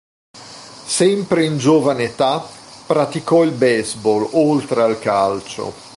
Sempre in giovane età, praticò il baseball, oltre al calcio.